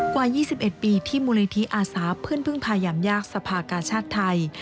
กว่า๒๑ปีที่มูลนิธิอาสาเพื่อนพึ่งพายามยากสภากาชาติไทย